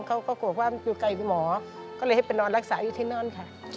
เขาก็โกรธว่ามันคือไกหมอก็เลยให้ไปนอนรักษาอยู่ที่นั่นค่ะ